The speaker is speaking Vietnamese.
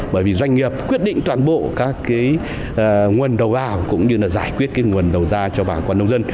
bởi vì doanh nghiệp quyết định toàn bộ các nguồn đầu vào cũng như giải quyết nguồn đầu ra cho bảng quản lông dân